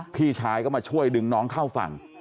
พี่ชายก็มาช่วยดึงน้องเข้าฝั่ง